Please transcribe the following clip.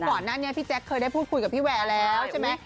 ก่อนหน้านี้พี่แจ๊คเคยได้พูดคุยกับพี่แวร์แล้วใช่ไหม